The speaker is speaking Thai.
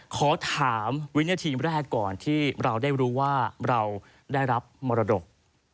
ขอถามวินาทีแรกก่อนที่เราได้รู้ว่าเราได้รับมรดก